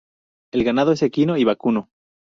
El ganado es equino y vacuno.